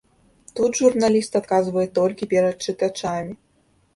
Тут журналіст адказвае толькі перад чытачамі.